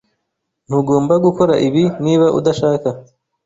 Ntugomba gukora ibi niba udashaka.